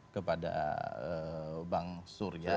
kepada bang surya